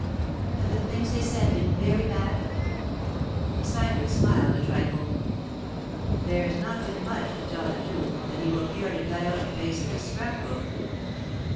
'Have the things they said been very bad?' Sybert smiled a trifle. 'There's not been much, to tell the truth, that he will care to cut out and paste in his scrap book.